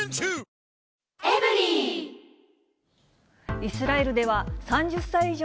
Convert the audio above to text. イスラエルでは、３０歳以上